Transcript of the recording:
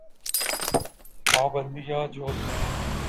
پابندیاں جو تھیں۔